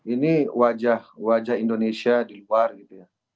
ini wajah wajah indonesia di luar gitu ya